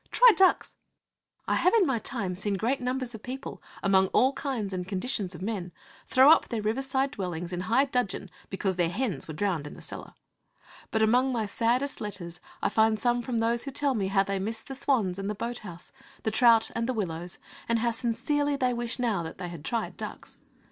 Try ducks!' I have in my time seen great numbers of people, among all kinds and conditions of men, throw up their riverside dwellings in high dudgeon because their hens were drowned in the cellar. But among my saddest letters I find some from those who tell me how they miss the swans and the boat house, the trout and the willows, and how sincerely they wish now that they had tried ducks.